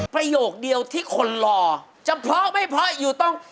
ประโยคเดียวที่คนรอจะเพราะไม่เพราะอยู่ตรง